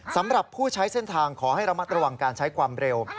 สำหรับผู้ใช้เส้นทางขอให้ระมัดระวังการใช้ความเร็ว